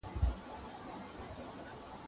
آیا تاسو پوهېږئ چې د بدو منع کول مسئوليت دی؟